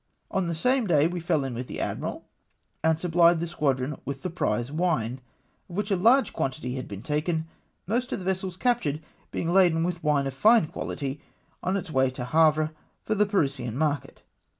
On the same day we fell in with the admii al, and supphed the squadron with prize wine, of which a large quantity had been taken, most of the vessels captured being laden with wine of fine quality, on its way to Havre for the Parisian market.